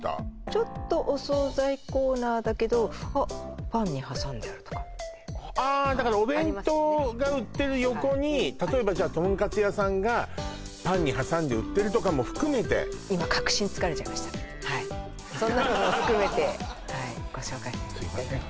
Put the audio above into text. ちょっとお惣菜コーナーだけどあっパンに挟んであるとかだからお弁当が売ってる横に例えばとんかつ屋さんがパンに挟んで売ってるとかも含めて今核心突かれちゃいましたはいそんなのも含めてご紹介すいませんね